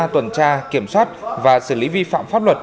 tuần tra kiểm soát và xử lý vi phạm pháp luật